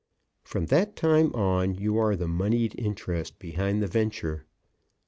From that time on, you are the moneyed interest behind the venture.